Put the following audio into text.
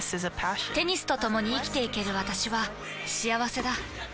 テニスとともに生きていける私は幸せだ。